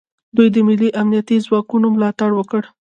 دوی د ملي امنیتي ځواکونو ملاتړ وکړ